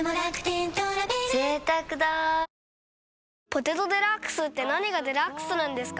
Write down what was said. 「ポテトデラックス」って何がデラックスなんですか？